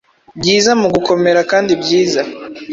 byiza mu gukomera kandi byiza